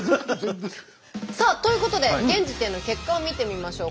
さあということで現時点の結果を見てみましょう。